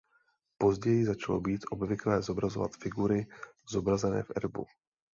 Později začalo být obvyklé zobrazovat figury zobrazené v erbu.